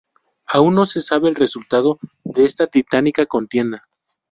Aún no se sabe el resultado de esta titánica contienda.